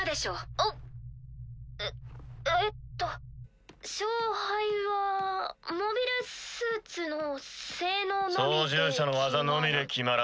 あっええっと勝敗はモビルスーツの性能のみで決まら。